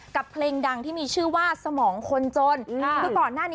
กับเพลงดังที่มีชื่อว่าสมองคนจน